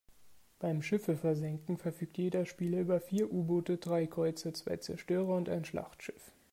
Beim Schiffe versenken verfügt jeder Spieler über vier U-Boote, drei Kreuzer, zwei Zerstörer und ein Schlachtschiff.